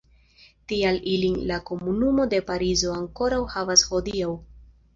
Tial ilin la komunumo de Parizo ankoraŭ havas hodiaŭ.